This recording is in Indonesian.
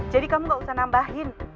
kamu gak usah nambahin